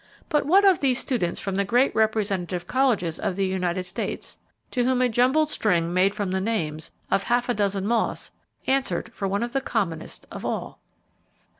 But what of these students from the great representative colleges of the United States, to whom a jumbled string made from the names, of half a dozen moths answered for one of the commonest of all?